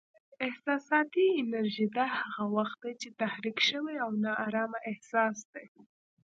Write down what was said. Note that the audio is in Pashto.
احساساتي انرژي: دا هغه وخت دی چې تحریک شوی او نا ارامه احساس دی.